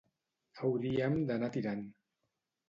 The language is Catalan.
Hauríem d'anar tirant